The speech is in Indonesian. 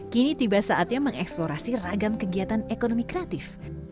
kini tiba saatnya mengeksplorasi ragam kegiatan ekonomi kreatif